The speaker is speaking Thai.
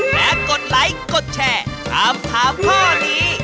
และกดไลค์กดแชร์ถามถามข้อนี้